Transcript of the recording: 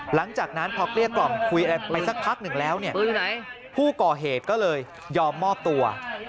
หลังจากนั้นพอเกลี้ยกล่อมคุยอะไรไปสักพักหนึ่งแล้วเนี่ยผู้ก่อเหตุก็เลยยอมมอบตัว